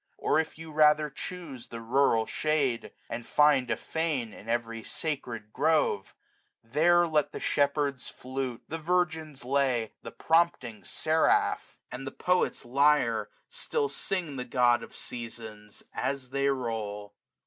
Or if you rather chuse the rural shade. And find a fane in every sacred grove ; 90 There let the shepherd's flute, the virgin's lay. The prompting seraph, and the poet's lyre, Still sing the God of Seasons, as they roll.